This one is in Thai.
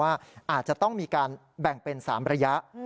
อาจจะต้องมีการแบ่งเป็น๓ระยะ